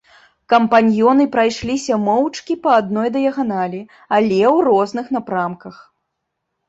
Кампаньёны прайшліся моўчкі па адной дыяганалі, але ў розных напрамках.